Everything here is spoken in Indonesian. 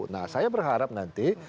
nah saya berharap nanti